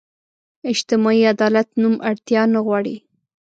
اجتماعي عدالت نوم اړتیا نه غواړو.